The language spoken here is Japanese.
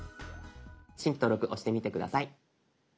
「新規登録」押してみて下さい。